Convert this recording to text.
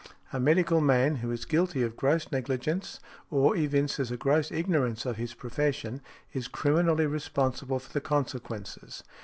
A medical man who is guilty of gross negligence, or evinces a gross ignorance of his profession, is criminally responsible for the consequences.